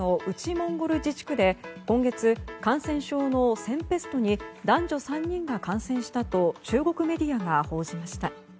モンゴル自治区で今月、感染症の腺ペストに男女３人が感染したと中国メディアが報じました。